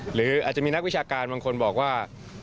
หรืออาจจะมีนักวิชาการบางคนบอกว่า